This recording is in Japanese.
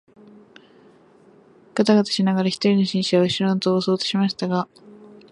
がたがたしながら一人の紳士は後ろの戸を押そうとしましたが、